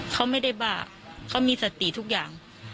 เขาไม่ได้บ้าเขามีสติทุกอย่าง